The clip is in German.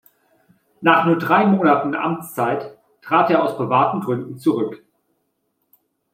Nach nur drei Monaten Amtszeit trat er aus privaten Gründen zurück.